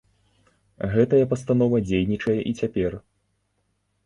Гэтая пастанова дзейнічае і цяпер.